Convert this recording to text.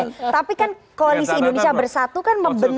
tapi kan koalisi indonesia bersatu kan membentuk